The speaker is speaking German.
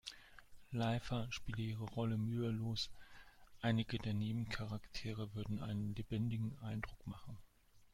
Latifah spiele ihre Rolle „mühelos“; einige der Nebencharaktere würden einen lebendigen Eindruck machen.